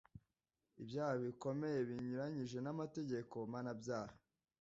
ibyaha bikomeye binyuranyije n'amategeko mpanabyaha